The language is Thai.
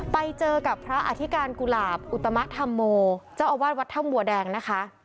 ไปเจอกับพระอธิการกุหลาบอุตมะธรรโมเจ้าอาวาสวัดถ้ำบัวแดงนะคะ